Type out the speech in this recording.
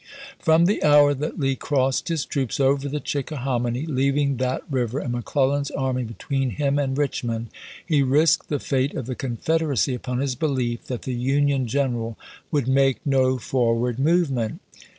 From the hour that Lee crossed his troops over the Chicka hominy, leaving that river and McCIellan's army between him and Richmond, he risked the fate of the Confederacy upon his belief that the Union gen eral would make no forward movement.